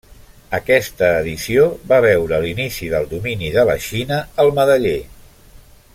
Aquesta edició va veure l'inici del domini de la Xina al medaller.